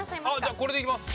じゃあこれでいきます。